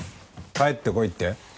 帰ってこいって？